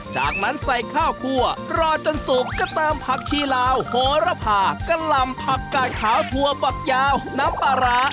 จากนั้นใส่ข้าวคั่วรอจนสุกก็เติมผักชีลาวโหระพากะหล่ำผักกาดขาวถั่วฝักยาวน้ำปลาร้า